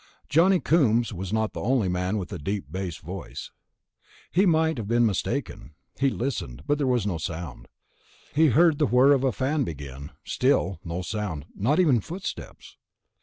Johnny Coombs was not the only man with a deep bass voice, he might have been mistaken. He listened, but there was no sound. He heard the whir of a fan begin, still no sound, not even footsteps.